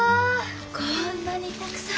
こんなにたくさん。